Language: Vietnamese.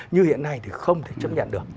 như hiện nay thì không thể chấp nhận được